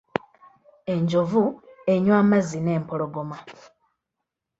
Enjovu enywa amazzi n'empologoma.